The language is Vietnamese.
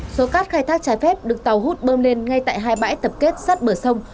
số cát khai thác trái phép được tàu hút bơm lên ngay tại hai bãi tập kết sát bờ sông